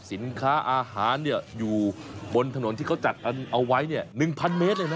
สินค้าอาหารอยู่บนถนนที่เขาจัดเอาไว้๑๐๐เมตรเลยนะ